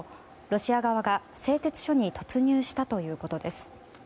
ロシア側が製鉄所に突入したということです。